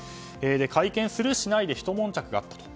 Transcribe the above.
会見するしないでひと悶着があった。